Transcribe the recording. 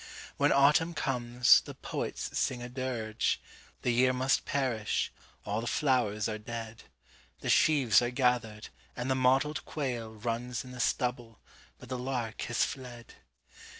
When autumn comes, the poets sing a dirge:The year must perish; all the flowers are dead; The sheaves are gathered; and the mottled quailRuns in the stubble, but the lark has fled!